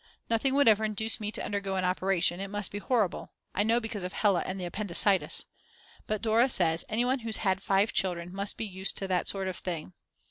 Nothing would ever induce me to undergo an operation, it must be horrible, I know because of Hella and the appendicitis. But Dora says: "Anyone who's had five children must be used to that sort of thing."